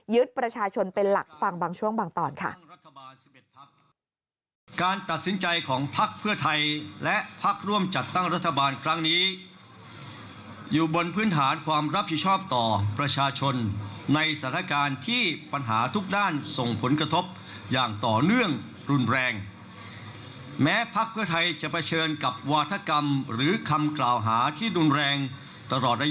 ประชาชนเป็นหลักฟังบางช่วงบางตอนค่ะ